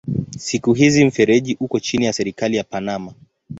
Siku hizi mfereji uko chini ya serikali ya Panama.